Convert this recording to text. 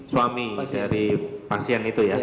suami dari pasien itu ya